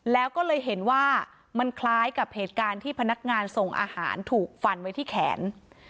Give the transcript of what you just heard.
แล้วก็เลยเห็นว่ามันคล้ายกับเหตุการณ์ที่พนักงานส่งอาหารถูกฟันไว้ที่แขน